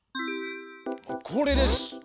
これです。